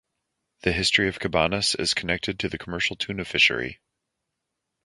The history of Cabanas is connected to the commercial tuna fishery.